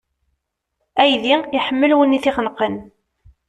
Aydi, iḥemmel win i t-ixenqen.